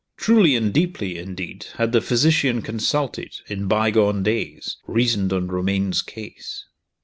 Truly and deeply, indeed, had the physician consulted, in bygone days, reasoned on Romayne's case!